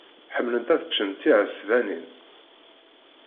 Ḥemmlent ad ččent tiɛesbanin.